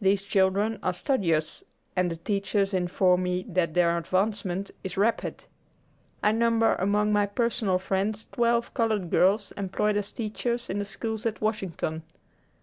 These children are studious, and the teachers inform me that their advancement is rapid. I number among my personal friends twelve colored girls employed as teachers in the schools at Washington.